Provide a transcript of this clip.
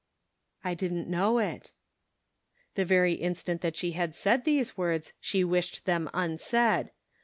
"I didn't know it." The very instant that she had said those words she wished them unsaid.